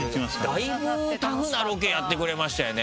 だいぶタフなロケやってくれましたよね。